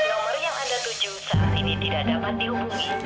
nomor yang anda tuju saat ini tidak dapat dihubungi